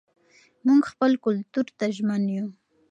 موږ خپل کلتور ته ژمن یو.